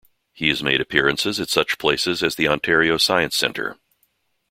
He has made appearances at such places as the Ontario Science Centre.